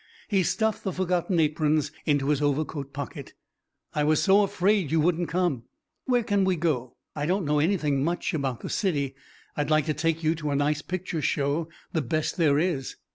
He stuffed the forgotten aprons into his overcoat pocket. "I was so afraid you wouldn't come. Where can we go? I don't know anything much about the city. I'd like to take you to a nice picture show, the best there is."